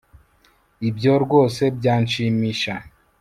ibyo rwose byanshimisha